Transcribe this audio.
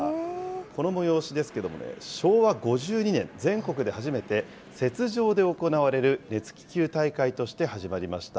この催しですけどもね、昭和５２年、全国で初めて雪上で行われる熱気球大会として始まりました。